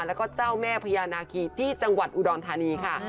แล้วก็เจ้าแม่พญานาคีที่จังหวัดอุดรธานีค่ะ